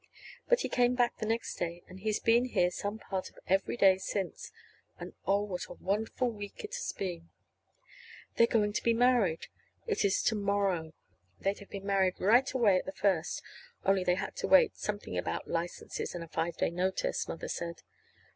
But he came back the next day, and he's been here some part of every day since. And, oh, what a wonderful week it has been! They're going to be married. It's to morrow. They'd have been married right away at the first, only they had to wait something about licenses and a five day notice, Mother said.